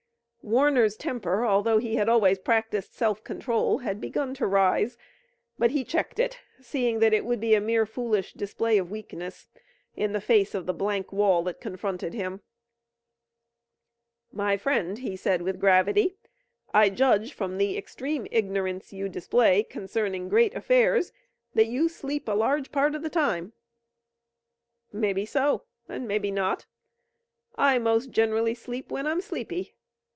Warner's temper, although he had always practiced self control, had begun to rise, but he checked it, seeing that it would be a mere foolish display of weakness in the face of the blank wall that confronted him. "My friend," he said with gravity, "I judge from the extreme ignorance you display concerning great affairs that you sleep a large part of the time." "Mebbe so, an' mebbe not. I most gen'ally sleep when I'm sleepy.